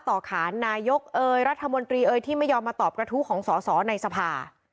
ขานนายกเอยรัฐมนตรีเอยที่ไม่ยอมมาตอบกระทู้ของสอสอในสภา